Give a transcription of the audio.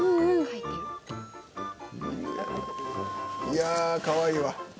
いやあかわいいわ。